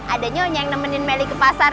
ada nyonya yang nemenin meli ke pasar